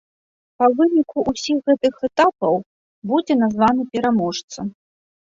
Па выніку ўсіх гэтых этапаў будзе названы пераможца.